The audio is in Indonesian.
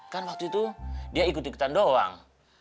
kan waktu itu dia ikut ikutan doang